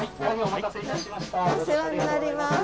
お世話になります。